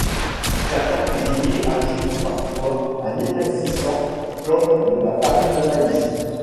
Certains cuisiniers ajoutent parfois un épaississant comme de la farine de maïs.